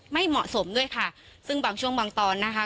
ไม่เหมาะสมด้วยค่ะซึ่งบางช่วงบางตอนนะคะ